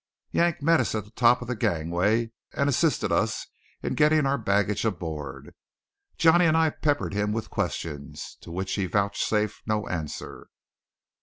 Yank met us at the top of the gangway, and assisted us in getting our baggage aboard. Johnny and I peppered him with questions, to which he vouchsafed no answer.